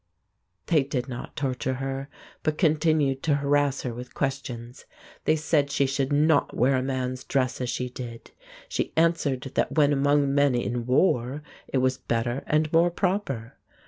They did not torture her, but continued to harass her with questions. They said she should not wear man's dress as she did. She answered that when among men in war it was better and more proper.